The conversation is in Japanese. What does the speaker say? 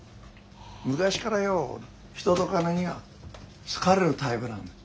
昔からよう人と金には好かれるタイプなんだ。